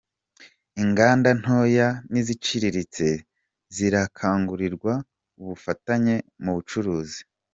Inganda ntoya n’Iziciriritse zirakangurirwa ubufatanye mu bucuruzi